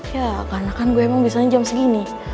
ya karena kan gue emang biasanya jam segini